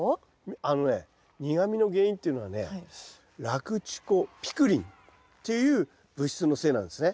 あのね苦みの原因っていうのはねラクチュコピクリンっていう物質のせいなんですね。